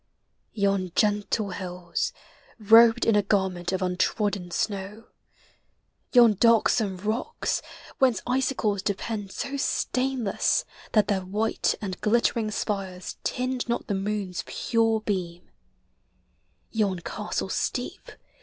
Yon gentle hills, Robed in a garment of untrodden snow: Yon darksome rocks, whence icicles depend So stainless that their white and glittering spires Tinge not the moon's pure beam ; yon castle steep.